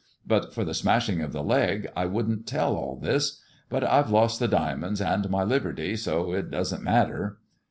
But for the smashing of the leg, I wouldn't tell all this. But I've lost the diamonds and my liberty, so it doesn't matter."